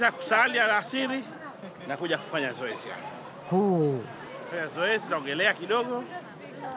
ほう。